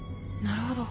なるほど。